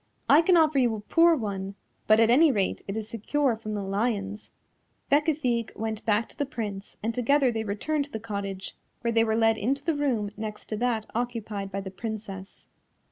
I can offer you a poor one, but at any rate it is secure from the lions." Bécafigue went back to the Prince and together they returned to the cottage, where they were led into the room next to that occupied by the Princess.